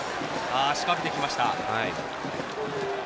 仕掛けてきました。